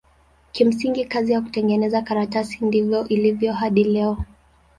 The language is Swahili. Kimsingi kazi ya kutengeneza karatasi ndivyo ilivyo hadi leo.